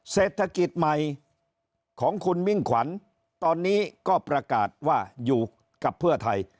เศรษฐกิจใหม่ของคุณมิ่งขวัญตอนนี้ก็ประกาศว่าอยู่กับเพื่อไทย